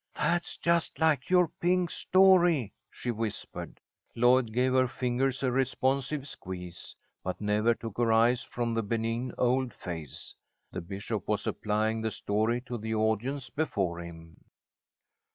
"That's just like your pink story," she whispered. Lloyd gave her fingers a responsive squeeze, but never took her eyes from the benign old face. The bishop was applying the story to the audience before him.